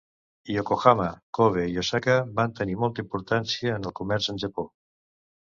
Yokohama, Kobe i Osaka van tenir molta importància en el comerç amb Japó.